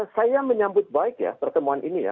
saya menyambut baik ya pertemuan ini ya